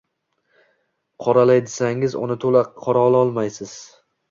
Qoralay desangiz – uni to’la qoralolmaysiz.